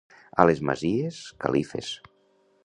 A les Masies, califes.